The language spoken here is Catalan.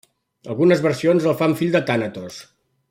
Algunes versions el fan fill de Tànatos.